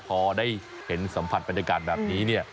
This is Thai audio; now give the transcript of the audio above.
พอได้เห็นสัมผัสบรรยากาศแบบนี้เนี่ย